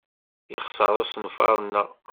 Yexṣer usenfar-nneɣ.